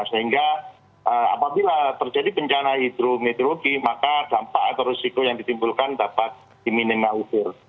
sehingga apabila terjadi bencana hidrometeorologi maka dampak atau risiko yang ditimbulkan dapat diminimalisir